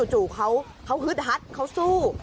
จู่เขาฮึดฮัดเขาสู้